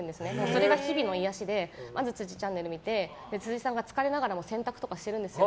それが日々の癒やしでまず「辻ちゃんネル」を見て辻さんが疲れながらも洗濯とかしてるんですよ。